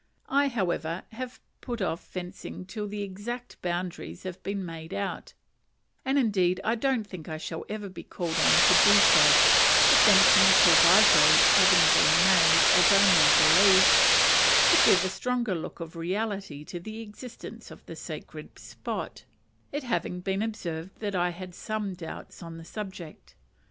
I, however, have put off fencing till the exact boundaries have been made out; and indeed I don't think I shall ever be called on to do so, the fencing proviso having been made, as I now believe, to give a stronger look of reality to the existence of the sacred spot, it having been observed that I had some doubts on the subject.